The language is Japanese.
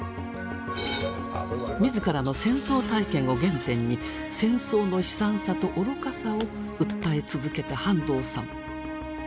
自らの戦争体験を原点に戦争の悲惨さと愚かさを訴え続けた半藤さん。